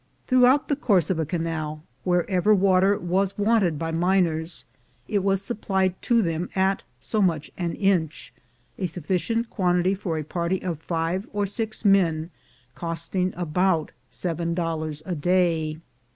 Throughout the course of a canal, wherever water was wanted by miners, it was supplied to them at so much an inch, a sufficient quantity for a party of five or six men cost ing about seven dollars a day.